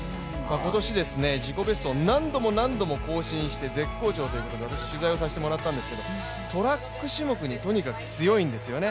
今年自己ベストを何度も何度も更新して絶好調ということで、私、取材させてもらったんですが、トラック種目にとにかく強いんですよね。